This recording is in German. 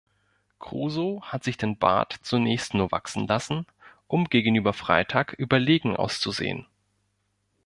Crusoe hat sich den Bart zunächst nur wachsen lassen, um gegenüber Freitag überlegen auszusehen.